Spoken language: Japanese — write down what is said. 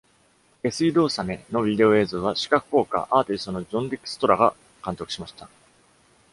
「下水道サメ」のビデオ映像は、視覚効果アーティストのジョンディクストラが監督しました。